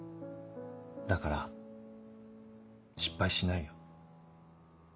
だから失敗しないよ。